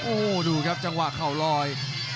โอ้โหดูครับจังหวะเข่าลอย